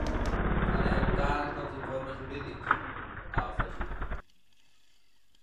“Farem cas dels informes jurídics”, ha afegit.